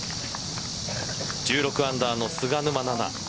１６アンダーの菅沼菜々。